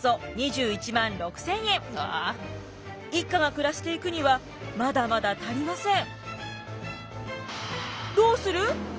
一家が暮らしていくにはまだまだ足りません。